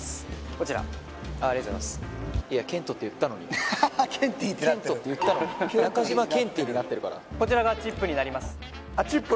こちらありがとうございます「ケンティ」ってなってる健人っていったのに「ナカジマケンティ」になってるからこちらがチップになりますあチップ？